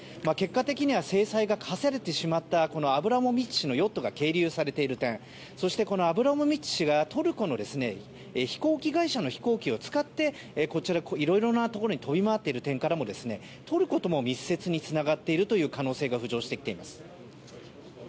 結果的には制裁が科されてしまったアブラモビッチ氏のヨットが係留されている点そして、アブラモビッチ氏はトルコの飛行機会社の飛行機を使ってこちら、いろいろなところに飛び回っている点からもトルコとも密接につながっている可能性が浮上してきています。